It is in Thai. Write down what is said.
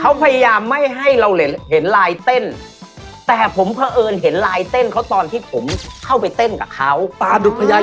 เอาอีกแล้วทุกเทปเลยครูเอาละครับ